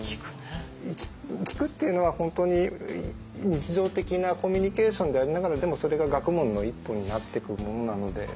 「きく」っていうのは本当に日常的なコミュニケーションでありながらでもそれが学問の一歩になってくものなので。